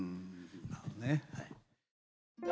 なるほどねはい。